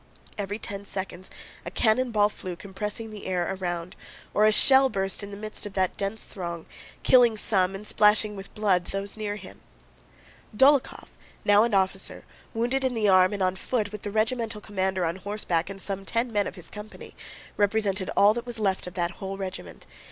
Every ten seconds a cannon ball flew compressing the air around, or a shell burst in the midst of that dense throng, killing some and splashing with blood those near them. Dólokhov—now an officer—wounded in the arm, and on foot, with the regimental commander on horseback and some ten men of his company, represented all that was left of that whole regiment.